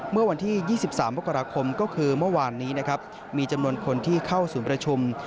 เมื่อวันที่๒๓ปกราคมก็คือเมื่อวานมีจำนวนคนที่เข้าสูญประชุม